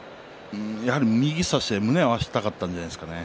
右を差して胸を合わせたかったんじゃないですかね。